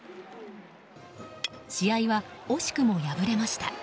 試合は惜しくも敗れました。